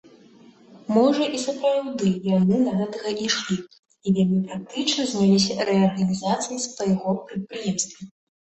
Можа, і сапраўды яны да гэтага ішлі і вельмі практычна заняліся рэарганізацыяй свайго прадпрыемства.